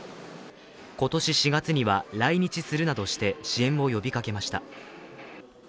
今年４月には、来日するなどして支援を呼びかけました。